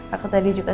aku tadi juga